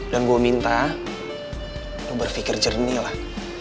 dan gue minta lo berpikir jernih lah